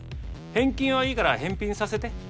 返金はいいから返品させて。